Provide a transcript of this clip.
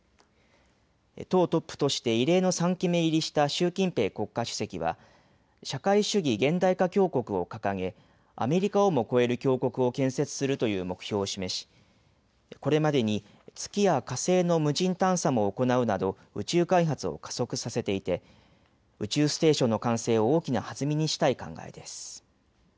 党トップとして異例の３期目入りした習近平国家主席は社会主義現代化強国を掲げアメリカをも超える強国を建設するという目標を示しこれまでに月や火星の無人探査も行うなど宇宙開発を加速させていて宇宙ステーションの完成を大きな弾みにしたい考えです。